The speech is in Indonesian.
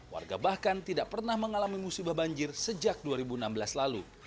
warga bahkan tidak pernah mengalami musibah banjir sejak dua ribu enam belas lalu